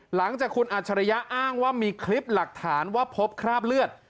หลังจากคุณอัจฉริยะอ้างว่ามีคลิปหลักฐานว่าพบคราบเลือด